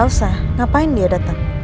elsa ngapain dia datang